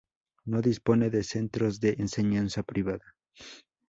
No dispone de centros de enseñanza privada.